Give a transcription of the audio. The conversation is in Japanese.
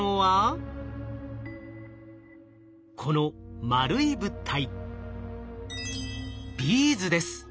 この丸い物体